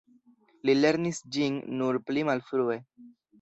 Li lernis ĝin nur pli malfrue.